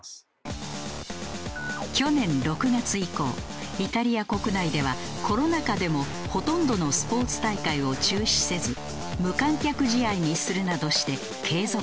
去年６月以降イタリア国内ではコロナ禍でもほとんどのスポーツ大会を中止せず無観客試合にするなどして継続してきた。